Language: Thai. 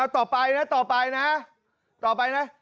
ต่อไปนะต่อไปนะต่อไปนะ